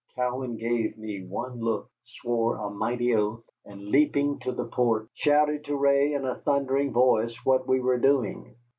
Cowan gave me the one look, swore a mighty oath, and leaping to the port shouted to Ray in a thundering voice what we were doing.